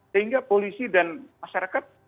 sehingga polisi dan masyarakat